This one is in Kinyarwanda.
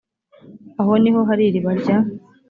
aho ni ho hari iriba rya